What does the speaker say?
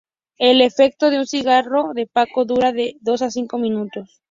El efecto de un cigarrillo de paco dura de dos a cinco minutos.